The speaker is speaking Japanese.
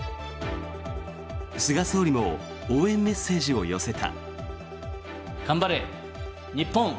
菅総理も応援メッセージを寄せた。